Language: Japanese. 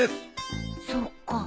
そっか。